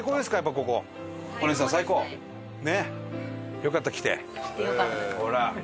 よかった？来て。